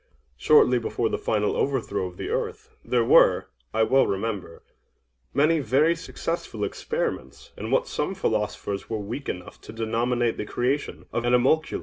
Shortly before the final overthrow of the earth, there were, I well remember, many very successful experiments in what some philosophers were weak enough to denominate the creation of animalculæ.